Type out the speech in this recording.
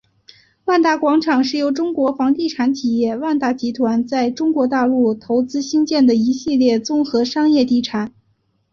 万达广场是由中国房地产企业万达集团在中国大陆投资兴建的一系列综合商业地产。